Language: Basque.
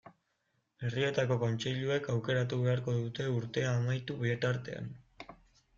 Herrietako kontseiluek aukeratu beharko dute urtea amaitu bitartean.